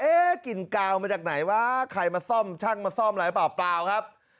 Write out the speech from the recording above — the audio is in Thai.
เอ๊ะกลิ่นกาวมาจากไหนวะใครมาทร่องช่างมาสร้องมาบ้างป่าวครับ